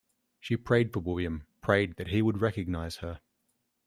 She prayed for William, prayed that he would recognise her.